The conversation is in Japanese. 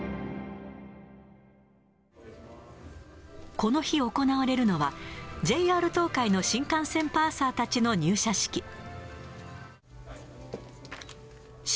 この日、行われるのは、ＪＲ東海の新幹線パーサーたちの入社式。